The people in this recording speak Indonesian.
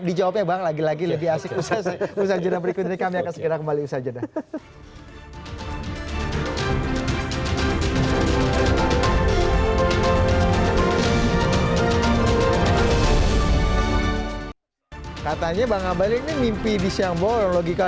di jawabnya bang lagi lagi lebih asik usha usha jena berikutnya kami akan sekiranya kembali usha jena